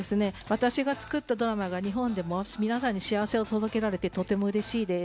私が作ったドラマが日本でも皆さんに幸せを届けられてとてもうれしいです。